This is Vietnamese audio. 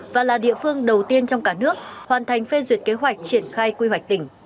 và là địa phương đầu tiên trong cả nước hoàn thành phê duyệt kế hoạch triển khai quy hoạch tỉnh